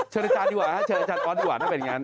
เชิญอาจารย์ดีกว่า